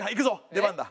出番だ。